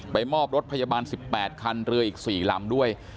มอบรถพยาบาล๑๘คันเรืออีก๔ลำด้วย